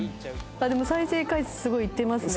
でも再生回数すごいいってますね。